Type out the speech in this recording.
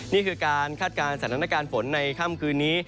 นี่คือการคาดการณ์สถานการณ์ฝนในค่ำคืนนี้